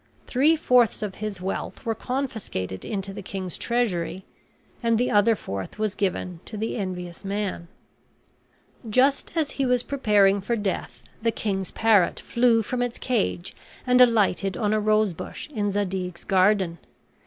Three fourths of his wealth were confiscated into the king's treasury, and the other fourth was given to the envious man. Just as he was preparing for death the king's parrot flew from its cage and alighted on a rosebush in Zadig's garden.